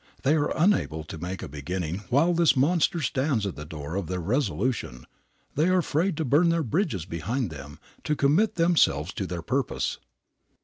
They are unable to make a beginning while this monster stands at the door of their resolution. They are afraid to burn their bridges behind them, to commit themselves to their purpose.